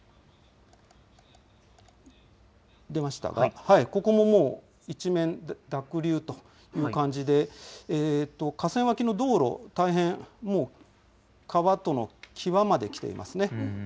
出ましたが、ここももう一面、濁流という感じで、河川脇の道路、大変もう、川との際まで来ていますね。